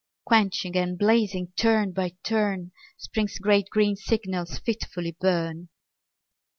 Quenching and blazing turn by turn Spring's great green signals fitfully burn.